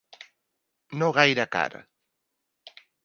No gaire car.